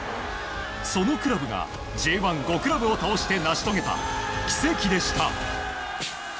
そのクラブがＪ１の５クラブを倒して成し遂げた奇跡でした。